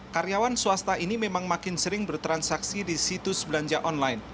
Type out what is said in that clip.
karyawan swasta ini memang makin sering bertransaksi di situs belanja online